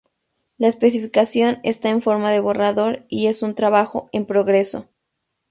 La especificación está en forma de borrador y es un trabajo en progreso.